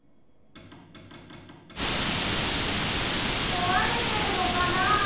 こわれてるのかなあ？